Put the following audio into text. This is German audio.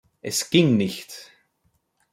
Es ging nicht!